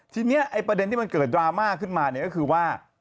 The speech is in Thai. ทีนี้ไอ้ประเด็นที่มันเกิดดราม่าขึ้นมาเนี่ยก็คือว่า